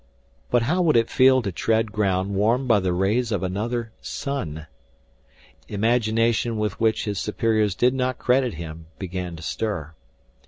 But how would it feel to tread ground warmed by the rays of another sun? Imagination with which his superiors did not credit him began to stir.